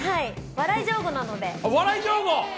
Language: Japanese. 笑い上戸なので。